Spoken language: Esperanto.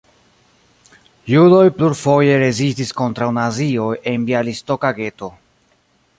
Judoj plurfoje rezistis kontraŭ nazioj en bjalistoka geto.